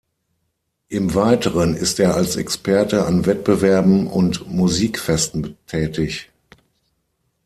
Im Weiteren ist er als Experte an Wettbewerben und Musikfesten tätig.